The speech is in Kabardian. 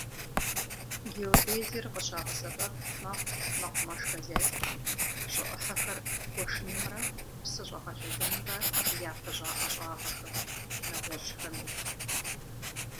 Геодезиер къыщыбгъэсэбэп мэхъу мэкъумэш хозяйствэм, щӀы Ӏыхьэхэр гуэшынымрэ псы щӀэгъэлъадэмрэ япыщӀа ӀэщӀагъэхэм, нэгъуэщӀхэми.